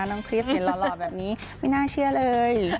คลิปเห็นหล่อแบบนี้ไม่น่าเชื่อเลย